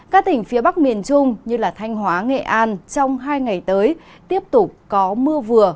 các tỉnh phía bắc miền trung như thanh hóa nghệ an trong hai ngày tới tiếp tục có mưa vừa